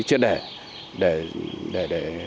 chuyên đề để